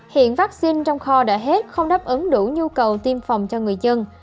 hiện vaccine trong kho đã hết không đáp ứng đủ nhu cầu tiêm phòng cho người dân